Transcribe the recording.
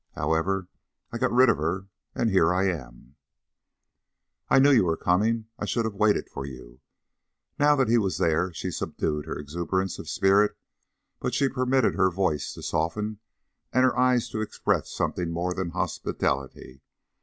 However, I got rid of her, and here I am." "I knew you were coming. I should have waited for you." Now that he was there she subdued her exuberance of spirit; but she permitted her voice to soften and her eyes to express something more than hospitality.